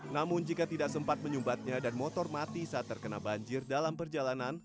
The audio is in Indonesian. namun jika tidak sempat menyumbatnya dan motor mati saat terkena banjir dalam perjalanan